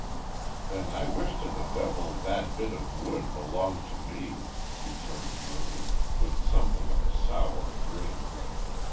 "Then I wish to the devil `that bit of wood' belonged to me," returned Mervyn, with something of a sour grin.